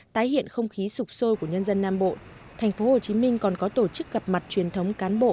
tái hiện không khí sụp sôi của nhân dân nam bộ thành phố hồ chí minh còn có tổ chức gặp mặt truyền thống cán bộ